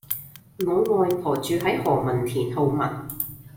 我外婆住喺何文田皓畋